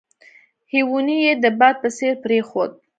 هیوني یې د باد په څېر پرېښود.